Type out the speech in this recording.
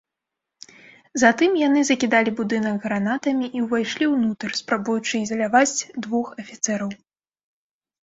Затым яны закідалі будынак гранатамі і ўвайшлі ўнутр, спрабуючы ізаляваць двух афіцэраў.